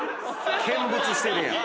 見物してるやん。